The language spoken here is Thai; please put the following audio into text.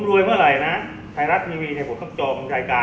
กลอบกล่องกันหน้าทำให้ได้ก่อนนะครับ